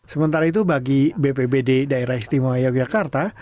sementara itu bagi bpbd daerah istimewa yogyakarta